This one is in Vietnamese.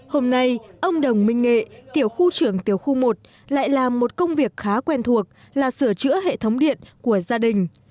hôm nay ông đồng minh nghệ tiểu khu trưởng tiểu khu một lại làm một công việc khá quen thuộc là sửa chữa hệ thống điện của gia đình